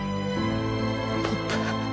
ポップ。